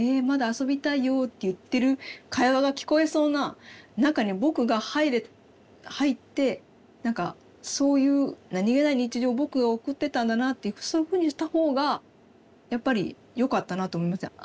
まだ遊びたいよって言ってる会話が聞こえそうな中に「ぼく」が入って何かそういう何気ない日常を「ぼく」が送ってたんだなっていうそういうふうにした方がやっぱりよかったなと思います。